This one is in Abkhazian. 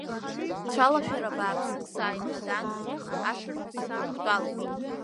Цәалашәара бааԥсык сааимнадан, ашырҳәа сынхықәтәалеит.